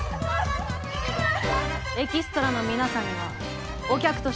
エキストラの皆さんにはお客として